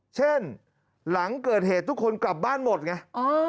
หลังเกิดเหตุทุกคนกลับบ้านหมดไง